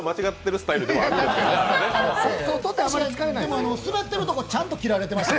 スベッてるとこ、ちゃんと切られてました。